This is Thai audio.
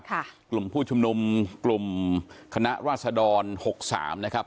กลุ่มผู้ชุมนุมกลุ่มคณะราษดรหกสามนะครับ